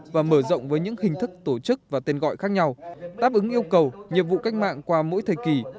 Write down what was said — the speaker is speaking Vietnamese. và mở rộng với những hình thức tổ chức và tên gọi khác nhau táp ứng yêu cầu nhiệm vụ cách mạng qua mỗi thời kỳ